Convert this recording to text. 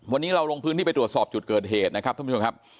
วันนี้เราลงพื้นที่ไปตรวจสอบจุดเกิดเหตุนะครับท่านผู้ชมครับ